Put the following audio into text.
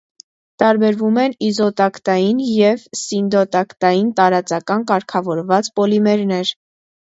Տարբերում են իզոտակտային և սինդիոտակտային տարածական կարգավորված պոլիմերներ։